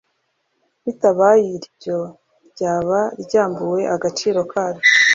bitabaye ibyo ryaba ryambuwe agaciro karyo.